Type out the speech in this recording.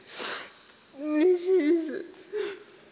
うれしいです。